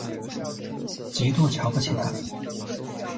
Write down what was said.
极度瞧不起他